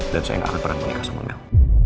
dan saya gak akan pernah menikah sama mel